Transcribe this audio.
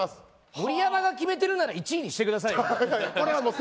盛山が決めてるなら１位にしてください。